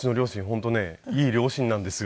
本当ねいい両親なんですよ。